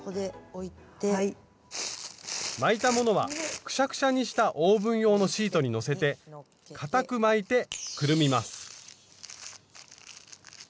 巻いたものはくしゃくしゃにしたオーブン用のシートにのせてかたく巻いてくるみます。